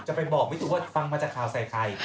จะไปบอกวิธีว่าฟังมาจากข่าวใส่ใคร